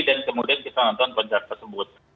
dan kemudian kita nonton pencar tersebut